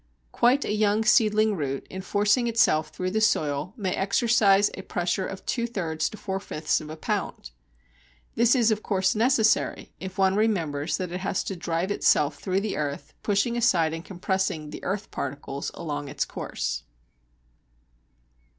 Quite a young seedling root, in forcing itself through the soil, may exercise a pressure of two thirds to four fifths of a pound! This is of course necessary, if one remembers that it has to drive itself through the earth, pushing aside and compressing the earth particles along its course.